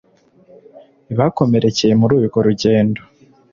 bakomerekeye muri urwo rugendo